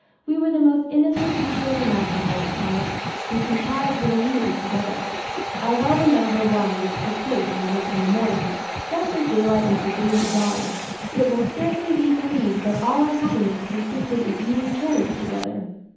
"We were the most innocent creatures imaginable," he says. "We contrived little meetings together. I well remember one which took place on a midsummer morning, just as daylight was beginning to dawn. It will scarcely be believed that all our happiness consisted in eating cherries together."